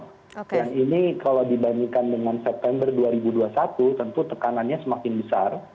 dan ini kalau dibandingkan dengan september dua ribu dua puluh satu tentu tekanannya semakin besar